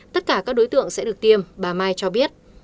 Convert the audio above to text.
tất cả các đối tượng sẽ được tiêm bà mai cho biết